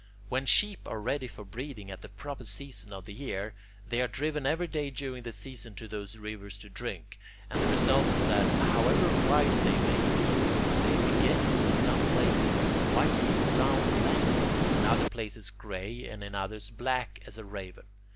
When sheep are ready for breeding at the proper season of the year, they are driven every day during that season to those rivers to drink, and the result is that, however white they may be, they beget in some places whity brown lambs, in other places gray, and in others black as a raven.